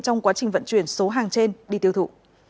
trong quá trình vận chuyển số hàng trên đi tiêu thụ